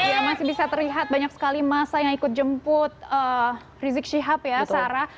ya masih bisa terlihat banyak sekali masa yang ikut jemput rizik syihab ya sarah